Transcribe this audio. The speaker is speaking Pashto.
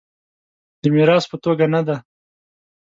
د میراث په توګه نه دی.